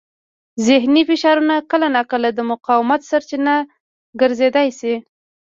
ذهني فشارونه کله ناکله د مقاومت سرچینه ګرځېدای شي.